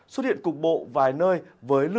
xuất hiện cục bộ vài nơi